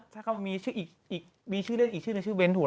ถ้าเขามีชื่อเล่นอีกชื่อชื่อเล่นชื่อเบ้นถูกแล้ว